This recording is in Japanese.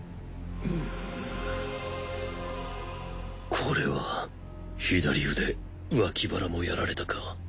これは左腕脇腹もやられたか。